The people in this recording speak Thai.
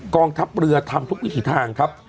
กองทัพเรือทำทุกวิถีทางครับ